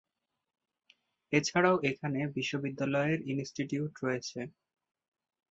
এছাড়াও এখানে বিশ্ববিদ্যালয়ের ইনস্টিটিউট রয়েছে।